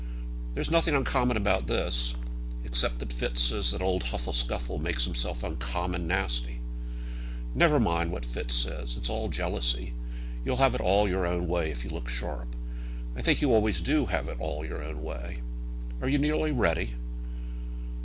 "There's nothing uncommon about this; except that Fitz says that old Huffle Scuffle makes himself uncommon nasty." "Never mind what Fitz says. It's all jealousy. You'll have it all your own way, if you look sharp. I think you always do have it all your own way. Are you nearly ready?"